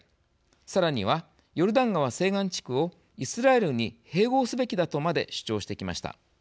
さらにはヨルダン川西岸地区をイスラエルに併合すべきだとまで主張してきました。